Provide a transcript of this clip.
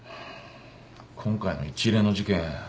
今回の一連の事件